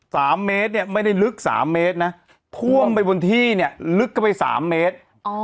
สามเมตรเนี่ยไม่ได้ลึกสามเมตรนะพ่วงไปบนที่เนี่ยลึกเข้าไปสามเมตรอ๋อ